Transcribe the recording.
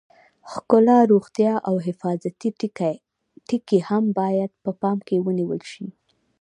ښکلا، روغتیا او حفاظتي ټکي هم باید په پام کې ونیول شي.